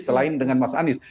selain dengan mas anies